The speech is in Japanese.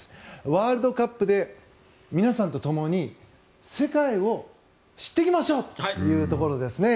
ワールドカップで皆さんとともに世界を知っていきましょうというところですね。